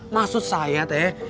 masuk saya teh